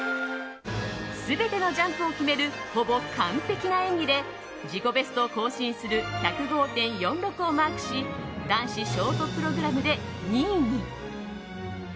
全てのジャンプを決めるほぼ完璧な演技で自己ベストを更新する１０５．４６をマークし男子ショートプログラムで２位に。